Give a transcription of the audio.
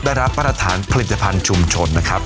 ได้รับประถานผลิตภัณฑ์ชุมชนนะครับ